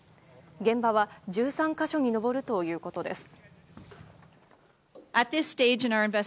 現場は１３か所に上るということです。